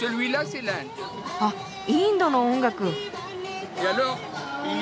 あっインドの音楽。